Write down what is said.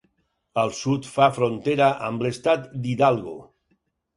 Al sud fa frontera amb l'estat d'Hidalgo.